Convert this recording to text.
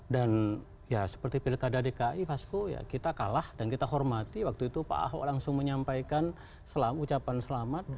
dan ya seperti pilkada dki fasco ya kita kalah dan kita hormati waktu itu pak ahok langsung menyampaikan ucapan selamat